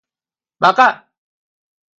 막아!